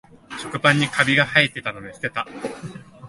食パンにカビがはえたので捨てた